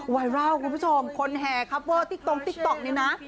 ไวรัลคุณผู้ชมคนแห่คัปเวอร์ติ๊กตรงติ๊กต๊อกนี่นะ